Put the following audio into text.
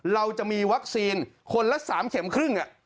เราจะมีวัคซีนคนละ๓เข็มครึ่ง